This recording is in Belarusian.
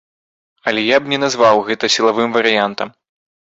Але я б не назваў гэта сілавым варыянтам.